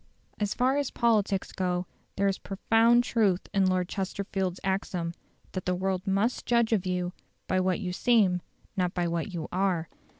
As far as politics go there is profound truth in Lord Chesterfield's axiom, that "the world must judge of you by what you seem, not by what you are".